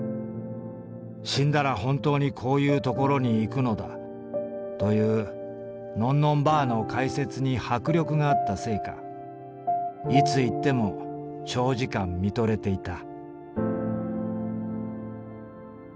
死んだらほんとうにこういうところに行くのだというのんのんばあの解説に迫力があったせいかいつ行っても長時間見とれていた」。